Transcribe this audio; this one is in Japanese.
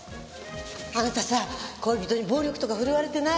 あなたさ恋人に暴力とか振るわれてない？